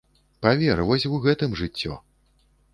Павер, вось у гэтым жыццё.